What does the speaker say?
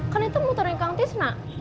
kan itu motornya kang tisna